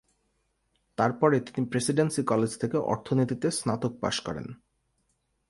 তারপরে তিনি presidency college থেকে অর্থনীতিতে স্নাতক পাশ করেন।